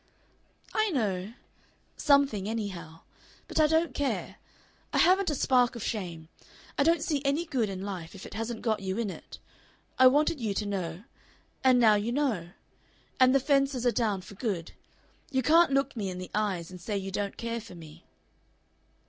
"I know something, anyhow. But I don't care; I haven't a spark of shame. I don't see any good in life if it hasn't got you in it. I wanted you to know. And now you know. And the fences are down for good. You can't look me in the eyes and say you don't care for me."